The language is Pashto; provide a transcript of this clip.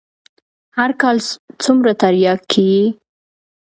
هر کال څومره ترياک کيي.